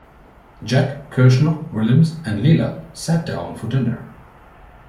Jack, Kirshner, Williams and Lila sit down for dinner.